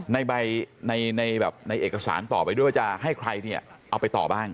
ในเอกสารต่อไปด้วยว่าจะให้ใครเอาไปต่อบ้าง